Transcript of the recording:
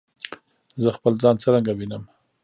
زه خپل ځان څرنګه وینم؟